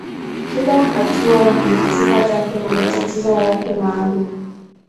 Kila hatua ina sifa zake na matatizo yake maalumu.